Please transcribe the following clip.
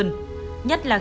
nhất là khi việt nam bước vào